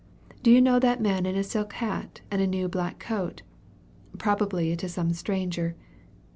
Do you know that man in a silk hat and new black coat? Probably it is some stranger.